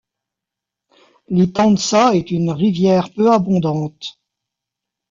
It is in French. L'Itantsa est une rivière peu abondante.